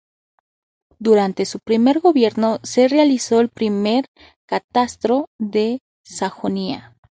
Durante su gobierno se realizó el primer catastro de Sajonia.